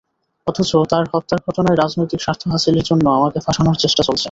অথচ তাঁর হত্যার ঘটনায় রাজনৈতিক স্বার্থ হাসিলের জন্য আমাকে ফাঁসানোর চেষ্টা চলছে।